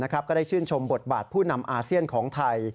ก็ได้ชื่นชมบทบาทผู้นำอาเซียนของไทย